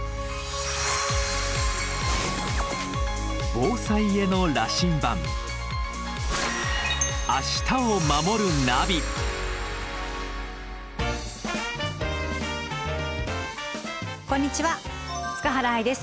防災への羅針盤こんにちは塚原愛です。